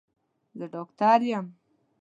زه ډاکټر یم